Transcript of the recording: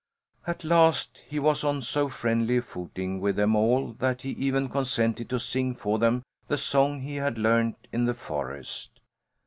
At last he was on so friendly a footing with them all that he even consented to sing for them the song he had learned in the forest.